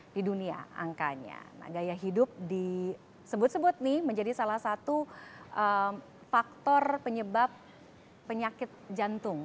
di dunia angkanya gaya hidup di sebut sebut nih menjadi salah satu faktor penyebab penyakit jantung